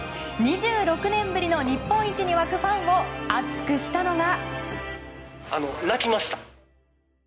２６年ぶりの日本一に沸くファンを熱くしたのが。